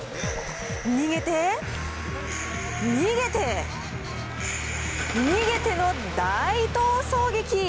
逃げて、逃げて、逃げての大逃走劇。